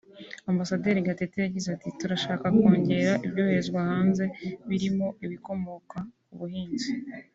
Amb Gatete yagize ati ”Turashaka kongera ibyoherezwa hanze birimo ibikomoka ku buhinzi